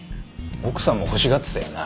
奥さんも欲しがってたよな？